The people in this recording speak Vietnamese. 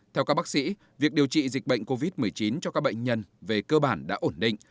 theo các bác sĩ việc điều trị dịch bệnh covid một mươi chín cho các bệnh nhân về cơ bản đã ổn định